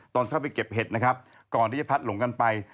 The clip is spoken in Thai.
ตอนเข้าไปเก็บเห็ดนะครับก่อนที่จะพัดหลงกันไป